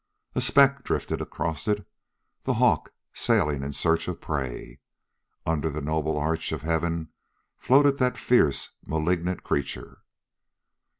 A speck drifted across it, the hawk sailing in search of prey. Under the noble arch of heaven floated that fierce, malignant creature!